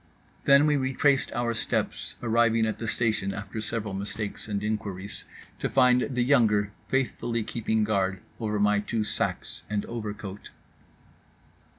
Then we retraced our steps, arriving at the station after several mistakes and inquiries, to find the younger faithfully keeping guard over my two sacs and overcoat.